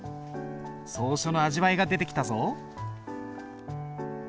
草書の味わいが出てきたぞ。